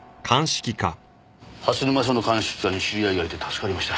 蓮沼署の鑑識課に知り合いがいて助かりました。